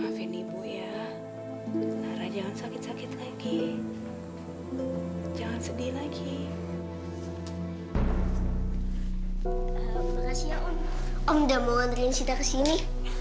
om udah mau ngandalkin sita ke sini